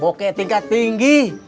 bokeh tingkat tinggi